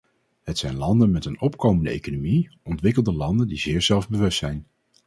Het zijn landen met een opkomende economie, ontwikkelde landen die zeer zelfbewust zijn.